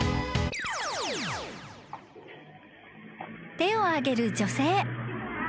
［手を上げる女性］